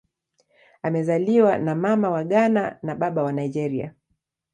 Amezaliwa na Mama wa Ghana na Baba wa Nigeria.